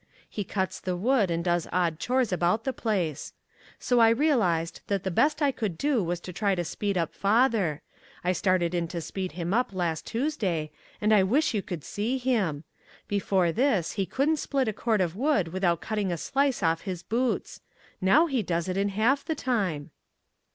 He cuts the wood and does odd chores about the place. So I realized that the best I could do was to try to speed up father. I started in to speed him up last Tuesday, and I wish you could see him. Before this he couldn't split a cord of wood without cutting a slice off his boots. Now he does it in half the time."